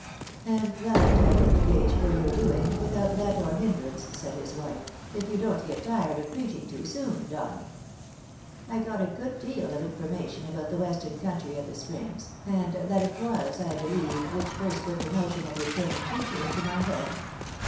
" And that I will engage for your doing, without let or hind rance," said his wife, " if you don't get tired of preaching too soon, Donny. I got a good deal of information about the western country at the Springs, and that it was, I believe, which first put the notion of your turning preacher into my head.